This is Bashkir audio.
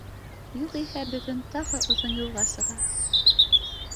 Юғиһә, бөгөн тағы оҙон юлға сыға